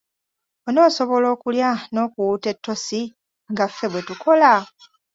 Onoosobola okulya n'okuwuuta ettosi nga ffe bwe tukola?